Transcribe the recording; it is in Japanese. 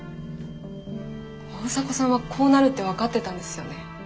大迫さんはこうなるって分かってたんですよね。